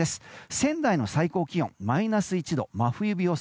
仙台の最高気温マイナス１度真冬日予想。